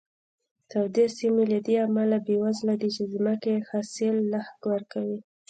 تودې سیمې له دې امله بېوزله دي چې ځمکې یې حاصل لږ ورکوي.